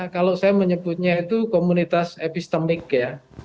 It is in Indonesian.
kalau saya menyebutnya itu komunitas epistemik ya